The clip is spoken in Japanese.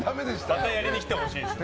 またやりに来てほしいですね。